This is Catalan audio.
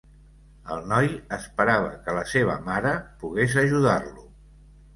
El noi esperava que la seva mare pogués ajudar-lo